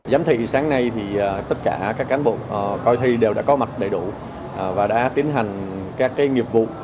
giám thị sáng nay tất cả các cán bộ coi thi đều đã có mặt đầy đủ và đã tiến hành các nghiệp vụ